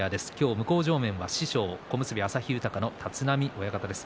向正面は師匠小結旭豊の立浪親方です。